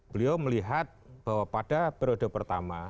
beliau melihat bahwa pada periode pertama